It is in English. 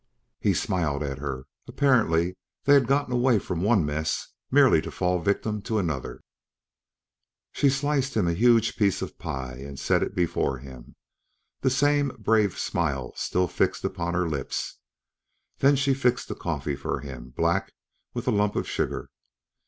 He smiled at her. Apparently they had gotten away from one mess merely to fall victim to another. She sliced him a huge piece of pie and set it before him, the same brave smile still fixed upon her lips. Then she fixed the coffee for him, black with a lump of sugar.